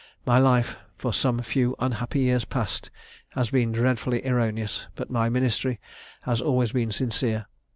My life, for some few unhappy years past, has been dreadfully erroneous; but my ministry has been always sincere.